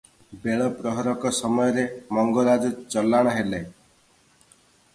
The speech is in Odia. ବେଳ ପ୍ରହରକ ସମୟରେ ମଙ୍ଗରାଜ ଚଲାଣ ହେଲେ ।